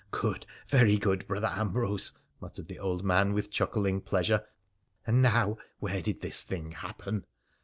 '_' Good, very good, Brother Ambrose,' muttered the old man with chuckling pleasure. ' And now, where did this thing happen